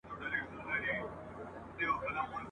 بې خبره د ښاریانو له دامونو !.